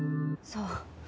そう。